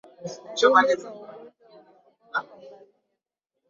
Dalili za ugonjwa wa majimoyo kwa ngamia